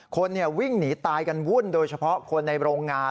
คนวิ่งหนีตายกันวุ่นโดยเฉพาะคนในโรงงาน